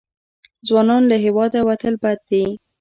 ځوانان له هېواده وتل بد دي.